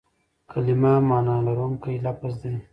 کلیمه مانا لرونکی لفظ دئ.